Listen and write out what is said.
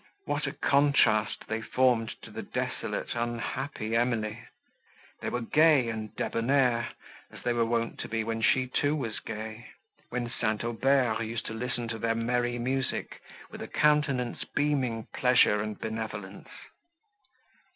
What a contrast they formed to the desolate, unhappy Emily! They were gay and debonnaire, as they were wont to be when she, too, was gay—when St. Aubert used to listen to their merry music, with a countenance beaming pleasure and benevolence.